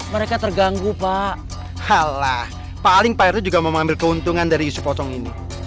mereka terganggu pak hala paling pak heru juga mau mengambil keuntungan dari isu potong ini